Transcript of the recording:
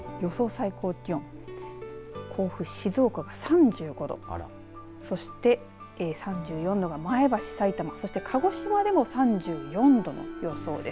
最高気温甲府、静岡が３５度そして３４度が前橋、さいたまそして鹿児島でも３４度の予想です。